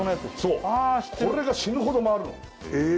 そうこれが死ぬほど回るのああ